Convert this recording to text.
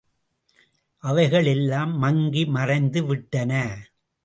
அவைகள் எல்லாம் மங்கி மறைந்துவிட்டன.